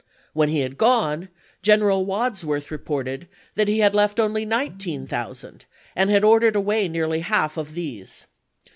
When 1862. he had gone, Greneral Wadsworth reported that he had left only nineteen thousand, and had ordered away nearly half of these.